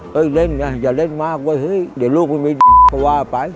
เฮ้ยเล่นอย่าเล่นมากเว้ยเฮ้ยเดี๋ยวลูกมันมีก็ว่าไป